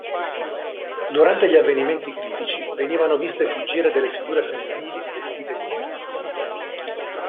Durante gli avvenimenti critici, venivano viste fuggire delle figure femminili vestite di nero.